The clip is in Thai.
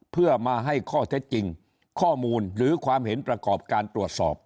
เพื่อมาให้ข้อเท็จจริงข้อมูลหรือความเห็นประกอบการตรวจสอบ